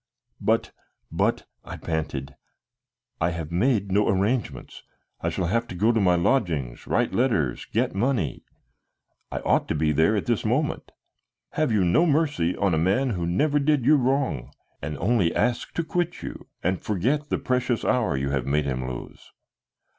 "But but," I panted, "I have made no arrangements. I shall have to go to my lodgings, write letters, get money. I ought to be there at this moment. Have you no mercy on a man who never did you wrong, and only asks to quit you and forget the precious hour you have made him lose?"